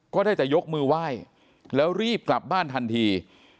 ก็ได้แต่ยกมือไหว้แล้วรีบกลับบ้านทันที